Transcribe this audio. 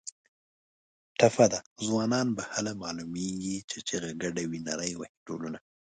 ټپه ده: ځوانان به هله معلومېږي چې چیغه ګډه وي نري وهي ډولونه